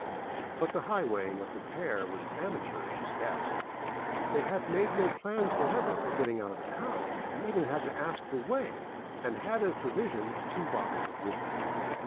But the highwaying of the pair was amateurish at best. They had made no plans whatever for getting, out of town, had even to ask the way, and had as provisions — two bottles of whiskey.